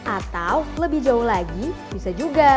atau lebih jauh lagi bisa juga